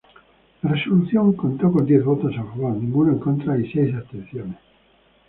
La resolución contó con diez votos a favor, ninguno en contra y seis abstenciones.